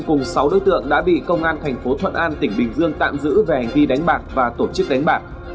cùng sáu đối tượng đã bị công an thành phố thuận an tỉnh bình dương tạm giữ về hành vi đánh bạc và tổ chức đánh bạc